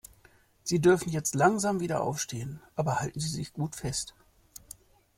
Sie dürfen jetzt langsam wieder aufstehen, aber halten Sie sich gut fest.